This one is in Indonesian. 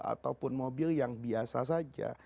ataupun mobil yang biasa saja